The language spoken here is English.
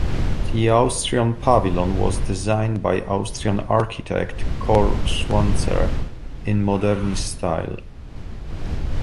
The Austrian pavilion was designed by Austrian architect Karl Schwanzer in modernist style.